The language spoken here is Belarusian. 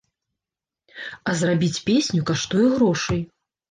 А зрабіць песню каштуе грошай.